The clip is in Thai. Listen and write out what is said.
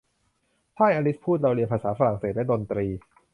'ใช่' อลิซพูด 'เราเรียนภาษาฝรั่งเศสและดนตรี'